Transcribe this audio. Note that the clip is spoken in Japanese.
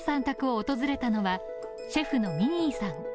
宅を訪れたのはシェフのミニーさん。